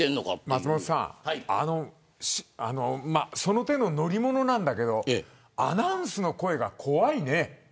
松本さんその手の乗り物なんだけどアナウンスの声が怖いね。